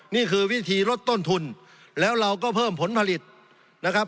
นี่คือวิธีลดต้นทุนแล้วเราก็เพิ่มผลผลิตนะครับ